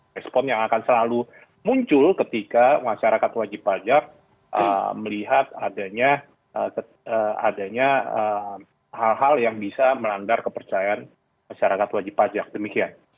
respon yang akan selalu muncul ketika masyarakat wajib pajak melihat adanya hal hal yang bisa melandar kepercayaan masyarakat wajib pajak demikian